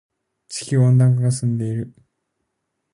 地球温暖化が進んでいる。